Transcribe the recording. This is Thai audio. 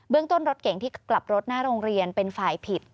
เรื่องต้นรถเก่งที่กลับรถหน้าโรงเรียนเป็นฝ่ายผิด